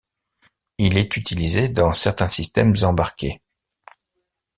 Il est utilisé dans certains systèmes embarqués.